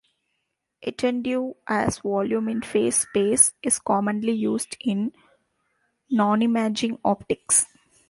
Etendue as volume in phase space is commonly used in nonimaging optics.